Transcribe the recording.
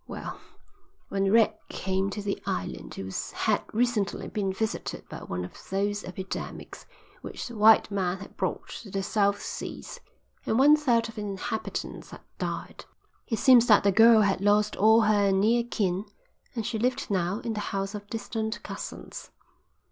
"Well, when Red came to the island it had recently been visited by one of those epidemics which the white man has brought to the South Seas, and one third of the inhabitants had died. It seems that the girl had lost all her near kin and she lived now in the house of distant cousins.